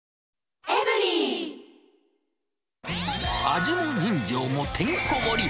味も人情もてんこ盛り。